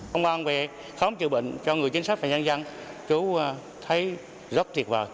công an về khám chữa bệnh cho người chính sách và nhân dân chú thấy rất tuyệt vời